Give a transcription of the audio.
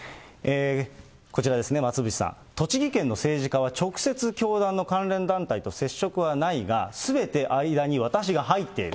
こちらですね、増渕さん、栃木県の政治家は直接教団の関連団体と接触はないが、すべて間に私が入っている。